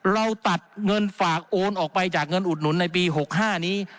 เราตัดเงินฝากโอนออกไปจากเงินอุดหนุนในปี๖๕นี้